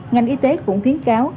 ngành y tế cũng khuyến cáo